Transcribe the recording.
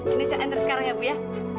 ini saya enter sekarang ya bu ya